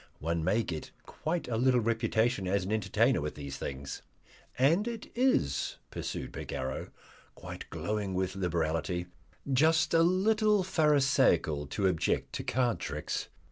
One may get quite a little reputation as an entertainer with these things." "And it is," pursued Bagarrow, quite glowing with liberality, "just a little pharisaical to object to card tricks.